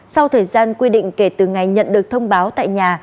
sau thời gian quy định kể từ ngày nhận được thông báo tại nhà